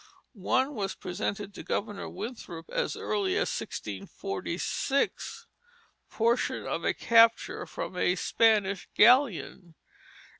One was presented to Governor Winthrop as early as 1646, portion of a capture from a Spanish galleon.